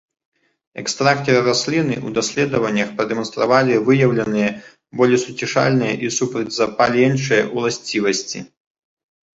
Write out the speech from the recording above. Экстракты расліны ў даследаваннях прадэманстравалі выяўленыя болесуцішальныя і супрацьзапаленчыя ўласцівасці.